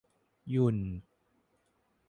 หยุ่น